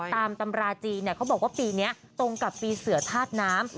ตามตำราจีนเขาบอกว่าปีนี้ตรงกับปีเสือธาตุน้ำ